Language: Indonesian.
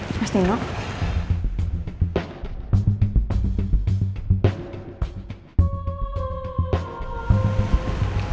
aku mau ke tempat yang lebih baik